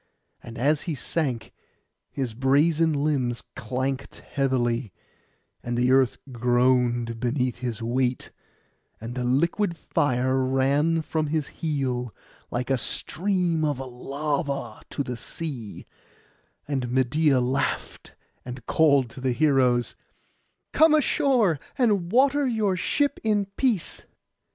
And as he sank, his brazen limbs clanked heavily, and the earth groaned beneath his weight; and the liquid fire ran from his heel, like a stream of lava, to the sea; and Medeia laughed, and called to the heroes, 'Come ashore, and water your ship in peace.